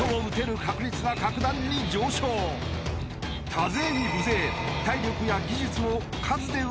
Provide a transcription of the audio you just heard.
［多勢に無勢］